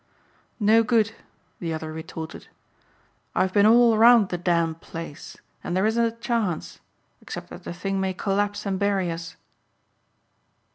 "No good," the other retorted. "I've been all round the damned place and there isn't a chance, except that the thing may collapse and bury us."